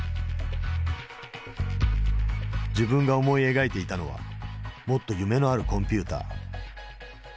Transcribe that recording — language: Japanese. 自分が思い描いていたのはもっと夢のあるコンピューター。